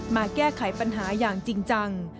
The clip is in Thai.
แก้ไขปัญหาอย่างจริงจัง